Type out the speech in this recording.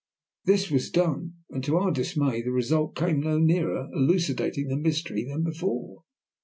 This was done, and to our dismay the result came no nearer elucidating the mystery than before.